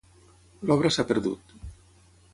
L'obra s'ha perdut.